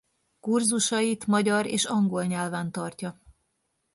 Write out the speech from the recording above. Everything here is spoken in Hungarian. Kurzusait magyar és angol nyelven tartja.